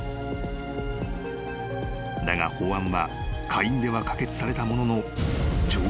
［だが法案は下院では可決されたものの］